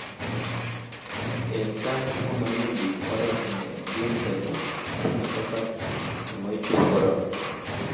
eng' tai ko maingen biik oret ne kikertoi asimatesaka tunguichu bo korona.